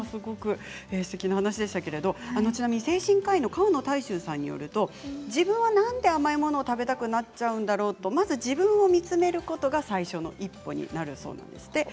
すてきな話でしたけれども精神科医の川野泰周さんによると自分はなんで甘いものを食べたくなってしまうんだろうと自分を見つめることが最初の一歩になるということです。